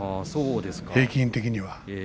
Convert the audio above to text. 平均的には。